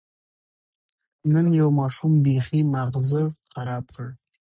نن یو ماشوم بېخي ماغزه خراب کړ.